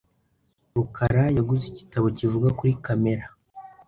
rukara yaguze igitabo kivuga kuri kamera .